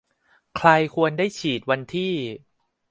ใครควรได้ฉีดวันที่